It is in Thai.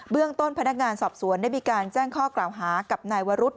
เรื่องต้นพนักงานสอบสวนได้มีการแจ้งข้อกล่าวหากับนายวรุษ